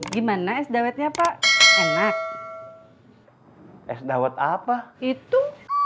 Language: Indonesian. gimana es dawetnya pak enak es dawet apa itu